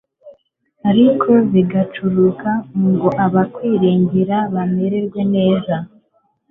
ariko bigacururuka ngo abakwiringira bamererwe neza